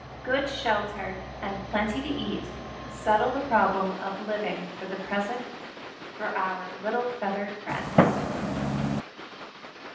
Good shelter and plenty to eat settle the problem of living for the present for our little feathered friends.